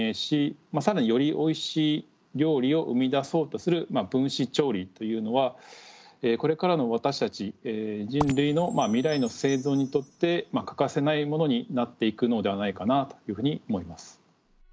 で今いろいろな新しい食材分子調理というのはこれからの私たち人類の未来の生存にとって欠かせないものになっていくのではないかなというふうに思います。